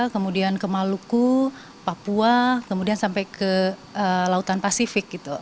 kemudian ke maluku papua kemudian sampai ke lautan pasifik gitu